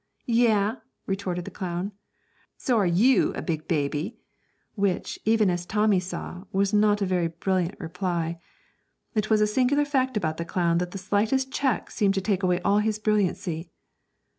'Yah!' retorted the clown; 'so are you a big baby!' which, as even Tommy saw, was not a very brilliant reply. It was a singular fact about the clown that the slightest check seemed to take away all his brilliancy.